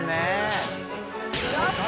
よし！